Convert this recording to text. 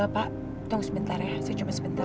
pak tunggu sebentar ya saya cuma sebentar